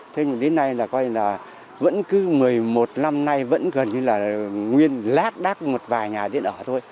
thế nhưng đến nay là coi là vẫn cứ một mươi một năm nay vẫn gần như là nguyên lác đác một vài nhà điện ở thôi